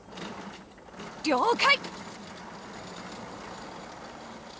了解！